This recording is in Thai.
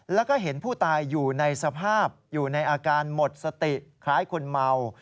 แล้วก็เห็นผู้ตายอยู่ในสภาพอยู่ในอาการหมดสติคล้ายคนเมา